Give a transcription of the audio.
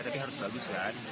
tapi harus bagus kan